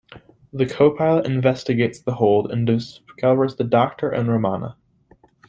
The Co-Pilot investigates the hold and discovers the Doctor and Romana.